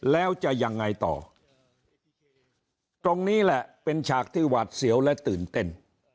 แล้วจะยังไงต่อตรงนี้แหละเป็นฉากที่หวาดเสียวและตื่นเต้น